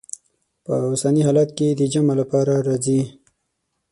په اوسني حالت کې د جمع لپاره راځي.